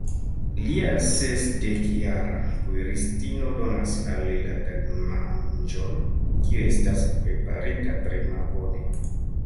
Lia sesdekjara kuiristino donas al li la tagmanĝon, kiu estas preparita tre malbone.